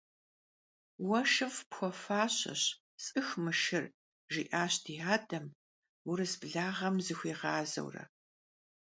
«Vue şşıf' pxuefaşeş, s'ıx mı şşır», - jji'aş di adem, vurıs blağem zıxuiğazeure.